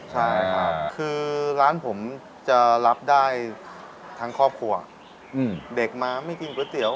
ใช่ครับคือร้านผมจะรับได้ทั้งครอบครัวเด็กมาไม่กินก๋วยเตี๋ยว